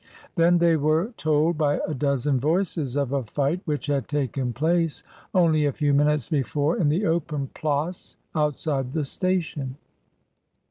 Then they were told by a dozen voices of a fight which had taken place only a few minutes be fore in the open place outside the station.